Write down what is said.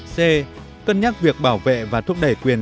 c cân nhắc việc bảo vệ và thúc đẩy quyền